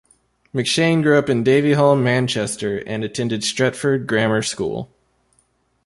McShane grew up in Davyhulme, Manchester and attended Stretford Grammar School.